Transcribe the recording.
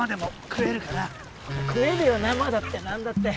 食えるよ生だって何だって。